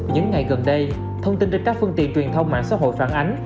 những ngày gần đây thông tin trên các phương tiện truyền thông mạng xã hội phản ánh